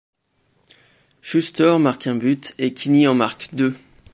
Schuster marque un but et Quini en marque deux.